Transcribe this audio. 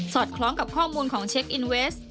อดคล้องกับข้อมูลของเช็คอินเวส